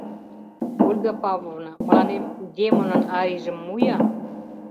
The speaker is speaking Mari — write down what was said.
Ольга Павловна, мыланем «Демонын» арийжым му-я...